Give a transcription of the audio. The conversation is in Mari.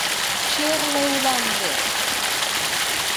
Черле улам вет...